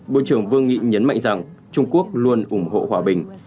bộ trưởng vương nghị nhấn mạnh rằng trung quốc luôn ủng hộ hòa bình